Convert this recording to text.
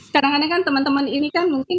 kadang kadang kan teman teman ini kan mungkin